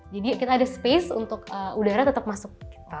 jadi kita ada space untuk udara tetap masuk